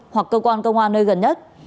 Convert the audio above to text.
hoặc cơ quan công an nơi gần nhất